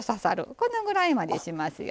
このぐらいまでしますよ。